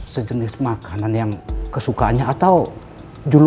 sejenis makanan yang kesukaannya atau julukan nama pada seseorang yang dimaksud